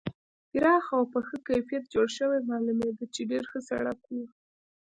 پراخ او په ښه کیفیت جوړ شوی معلومېده چې ډېر ښه سړک و.